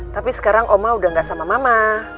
tapi sekarang oma udah gak sama mama